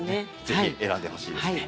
是非選んでほしいですね。